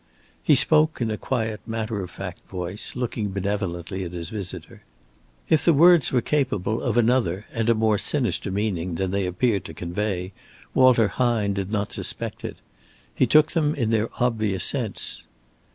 He spoke in a quiet matter of fact voice, looking benevolently at his visitor. If the words were capable of another and a more sinister meaning than they appeared to convey, Walter Hine did not suspect it. He took them in their obvious sense.